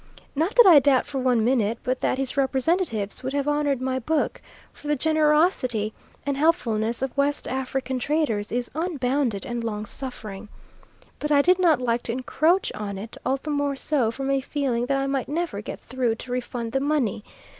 Not that I doubt for one minute but that his representatives would have honoured my book; for the generosity and helpfulness of West African traders is unbounded and long suffering. But I did not like to encroach on it, all the more so from a feeling that I might never get through to refund the money.